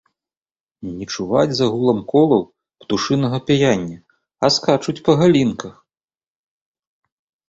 Не чуваць за гулам колаў птушынага пяяння, а скачуць па галінках.